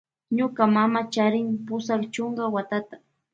Ñuka mama charin pusak chuka watata.